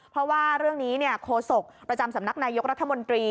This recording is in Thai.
เพราะว่าเรื่องนี้โคศกประจำสำนักนายกรัฐมนตรี